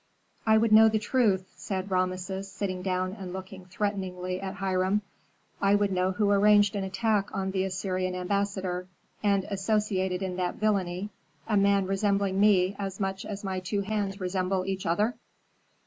"I would know the truth," said Rameses, sitting down and looking threateningly at Hiram. "I would know who arranged an attack on the Assyrian ambassador, and associated in that villainy a man resembling me as much as my two hands resemble each other?"